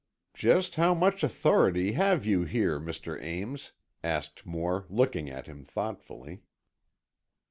"Just how much authority have you here, Mr. Ames?" asked Moore, looking at him thoughtfully.